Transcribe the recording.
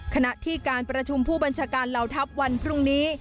ขณะที่การประชุมผู้บัญชาการเหล่าทัพวันพรุ่งนี้